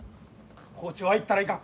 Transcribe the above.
校長は行ったらいかん。